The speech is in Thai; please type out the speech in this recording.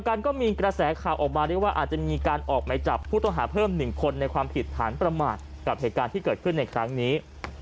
กันก็มีกระแสข่าวออกมาเรียกว่าอาจจะมีการออกไหมจับผู้ต้องหาเพิ่ม๑คนในความผิดฐานประมาทกับเหตุการณ์ที่เกิดขึ้นในครั้งนี้